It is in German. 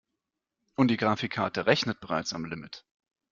Und die Grafikkarte rechnet bereits am Limit.